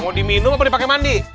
mau diminum atau dipakai mandi